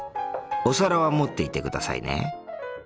お皿は持っていてくださいね。